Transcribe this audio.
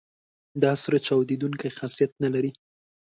دا سره چاودیدونکي خاصیت نه لري.